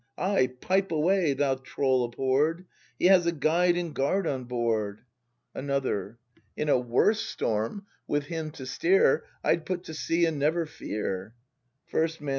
Ay, pipe away, thou troll ahhorr'd! He has a Guide and Guard on board ! Another. In a worse storm, with him to steer, I'd put to sea and never fear. First Man.